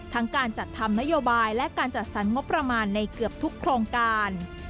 การจัดทำนโยบายและการจัดสรรงบประมาณในเกือบทุกโครงการ